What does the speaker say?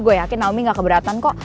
gue yakin naumi gak keberatan kok